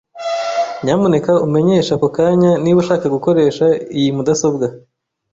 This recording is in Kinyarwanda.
Nyamuneka umenyeshe ako kanya niba ushaka gukoresha iyi mudasobwa.